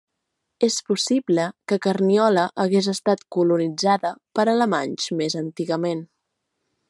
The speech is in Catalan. És possible que Carniola hagués estat colonitzada per alemanys més antigament.